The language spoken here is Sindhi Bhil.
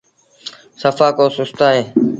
سڦآ ڪو سُست اهيݩ۔